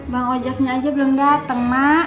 bang ojaknya aja belum dateng mak